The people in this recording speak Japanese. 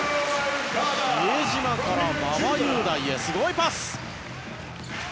比江島から馬場雄大へすごいパス。